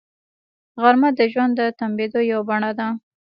غرمه د ژوند د تمېدو یوه بڼه ده